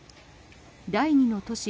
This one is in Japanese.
第２の都市